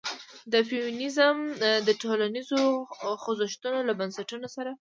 د فيمنيزم د ټولنيزو خوځښتونو له بنسټونو سره